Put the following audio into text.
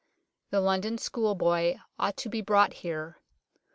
The London schoolboy ought to be brought here.